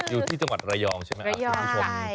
อยู่ที่จังหวัดระยองใช่ไหมครับ